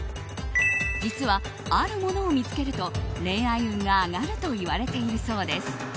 実は、あるものを見つけると恋愛運が上がるといわれているそうです。